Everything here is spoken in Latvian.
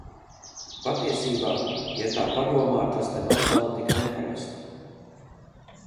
Patiesībā, ja tā padomā tas nemaz nav tik neparasti!